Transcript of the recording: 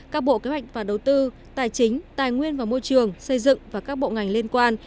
các bộ kế hoạch và đầu tư tài chính tài nguyên và môi trường xây dựng và các bộ ngành liên quan